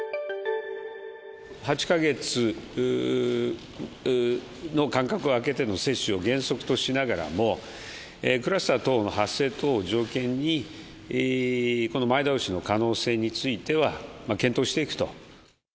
８か月の間隔を空けての接種を原則としながらも、クラスター等の発生等を条件に、この前倒しの可能性については検討していくと。